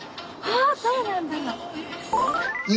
はあそうなんだ！